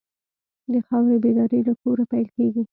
د خاورې بیداري له کوره پیل کېږي.